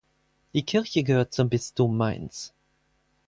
Die Kirche gehört zum Bistum Mainz.